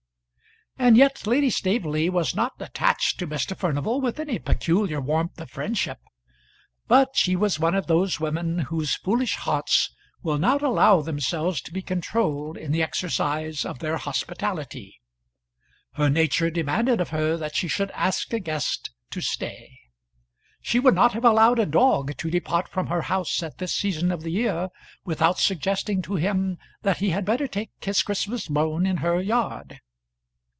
And yet Lady Staveley was not attached to Mr. Furnival with any peculiar warmth of friendship; but she was one of those women whose foolish hearts will not allow themselves to be controlled in the exercise of their hospitality. Her nature demanded of her that she should ask a guest to stay. She would not have allowed a dog to depart from her house at this season of the year, without suggesting to him that he had better take his Christmas bone in her yard.